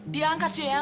dia angkat sih ya